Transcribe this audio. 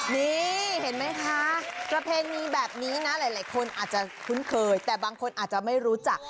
นี่เห็นไหมคะประเพณีแบบนี้นะหลายคนอาจจะคุ้นเคยแต่บางคนอาจจะไม่รู้จัก